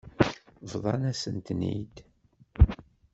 Bḍan-asen-ten-id.